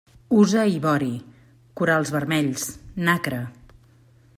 Usa ivori, corals vermells, nacre.